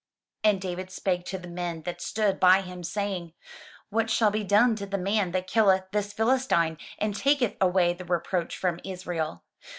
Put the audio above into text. And David spake to the men that stood by him, saying, "What shall be done to the man that killeth this Philistine, and taketh away the reproach from Israel?